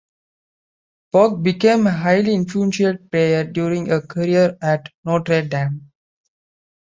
Bock became a highly influential player during her career at Notre Dame.